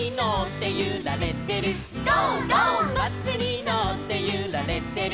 「バスにのってゆられてる」